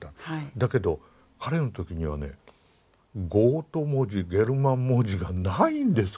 だけど彼の時にはねゴート文字ゲルマン文字がないんですからね。